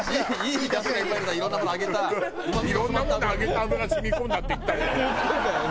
「いろんなもの揚げた油が染み込んだ」って言ったよね？